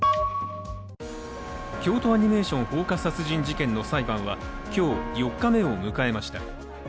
京都アニメーション放火殺人事件の裁判は今日、４日目を迎えました。